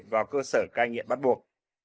vào cơ sở cai nghiện bắt buộc